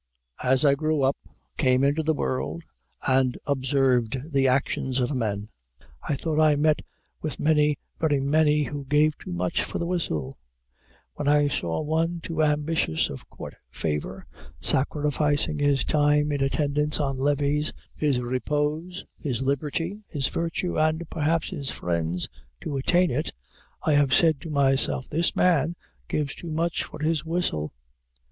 As I grew up, came into the world, and observed the actions of men, I thought I met with many, very many, who gave too much for the whistle. When I saw one too ambitious of court favor, sacrificing his time in attendance on levees, his repose, his liberty, his virtue, and perhaps his friends, to attain it, I have said to myself, This man gives too much for his whistle.